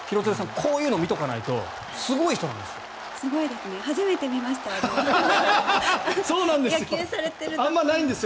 こういうのを見ておかないとすごいですね。